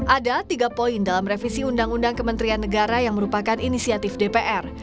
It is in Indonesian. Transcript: ada tiga poin dalam revisi undang undang kementerian negara yang merupakan inisiatif dpr